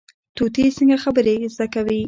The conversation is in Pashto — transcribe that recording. طوطي څنګه خبرې زده کوي؟